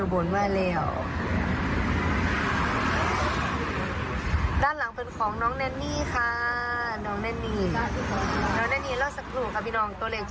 เบิ้งแน่